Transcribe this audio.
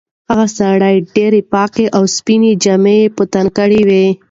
هغه سړي ډېرې پاکې او سپینې جامې په تن کړې وې.